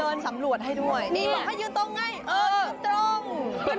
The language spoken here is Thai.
เดินสำรวจให้ด้วยเขายืนตรงไงยืนตรง